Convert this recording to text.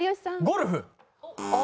ゴルフ。